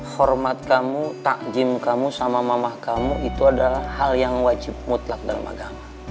hormat kamu takjim kamu sama mamah kamu itu adalah hal yang wajib mutlak dalam agama